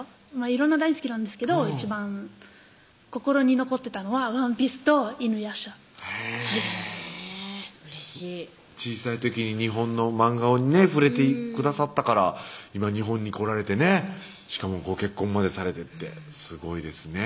色んな大好きなんですけど一番心に残ってたのはＯＮＥＰＩＥＣＥと犬夜叉へぇうれしい小さい時に日本の漫画に触れてくださったから今日本に来られてねしかもご結婚までされてってすごいですね